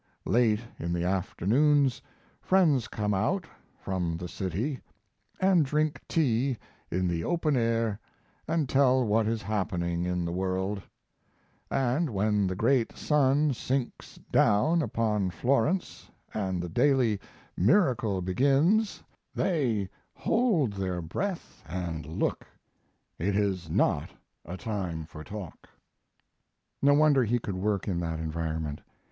Late in the afternoons friends come out from the city & drink tea in the open air & tell what is happening in the world; & when the great sun sinks down upon Florence & the daily miracle begins they hold their breath & look. It is not a time for talk. No wonder he could work in that environment.